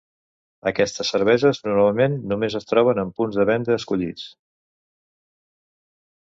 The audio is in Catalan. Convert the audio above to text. Aquestes cerveses normalment només es troben en punts de venda escollits.